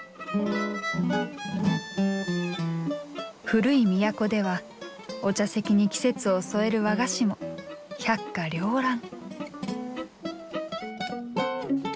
古い都ではお茶席に季節を添える和菓子も百花りょう乱。